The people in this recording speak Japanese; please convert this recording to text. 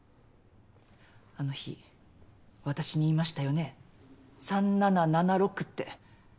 あの日私に言いましたよね３７７６って。